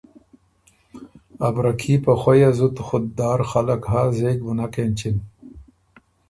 ا برکي په خوئه زُت خود دار خلق هۀ زېک بُو نک اېنچِن۔